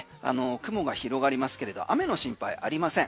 雲が広がりますけれど雨の心配ありません。